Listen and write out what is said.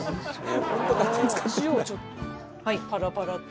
塩をちょっとパラパラって。